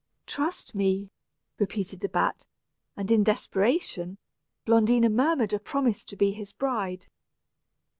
"Trust me," repeated the bat; and, in desperation, Blondina murmured a promise to be his bride.